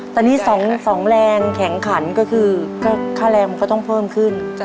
ตอนนี้๒แรงแข็งขันก็คือค่าแรงมันก็ต้องเพิ่มขึ้น